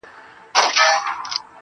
" وزرماتي " د لوستلو وروسته ښه جوتېږي